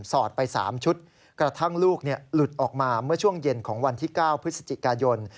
อดไป๓ชุดกระทั่งลูกหลุดออกมาเมื่อช่วงเย็นของวันที่๙พฤศจิกายน